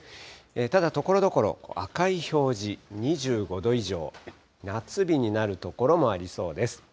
ただ、ところどころ赤い表示、２５度以上、夏日になる所もありそうです。